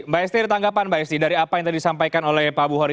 mbak esti ada tanggapan mbak esti dari apa yang tadi disampaikan oleh pak buhori